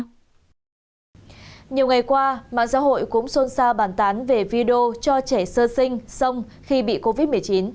nhiều ngày qua mạng xã hội cũng xôn xa bàn tán về video cho trẻ sơ sinh sông khi bị covid một mươi chín